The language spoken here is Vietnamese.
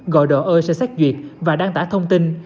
gọi đỏ ơi sẽ xét duyệt và đăng tả thông tin